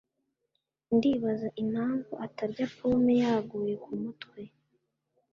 Ndibaza impamvu atarya pome yaguye kumutwe.